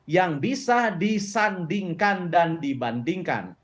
yang bisa disandingkan dan dibandingkan